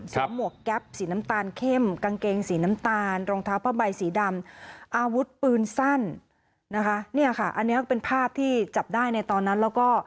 หมวกแก๊ปสีน้ำตาลเข้มกางเกงสีน้ำตาลรองเท้าผ้าใบสีดำอาวุธปืนสั้นนะคะเนี่ยค่ะอันนี้ก็เป็นภาพที่จับได้ในตอนนั้นแล้วก็